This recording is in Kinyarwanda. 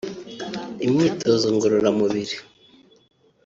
imyitozo ngororamubiri